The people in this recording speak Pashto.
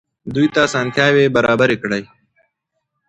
دوی ته اسانتیاوې برابرې کړئ.